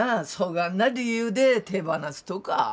がんな理由で手放すとか？